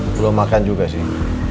belum makan juga sih